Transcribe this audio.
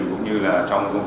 cũng như là trong công tác